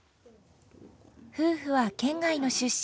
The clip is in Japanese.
夫婦は県外の出身。